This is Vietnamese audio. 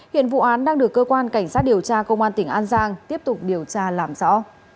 hiện vụ án đang được cơ quan cảnh sát điều tra công an tỉnh an giang tiếp tục điều tra làm rõ